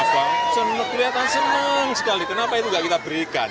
senang kelihatan senang sekali kenapa itu tidak kita berikan